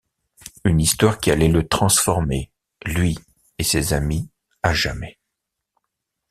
Une histoire qui allait le transformer lui et ses amis, à jamais.